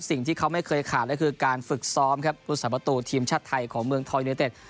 สิ่งที่เขาไม่เคยขาดเลยคือการฝึกซ้อมกุศาปัตตูทีมชาติไทยของเมืองท้ายนิเยอเต็ก